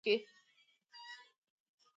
ښایست یې ایښې د لمر په پښو کې